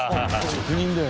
職人だよ